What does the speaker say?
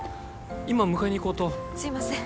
今迎えにいこうとすいません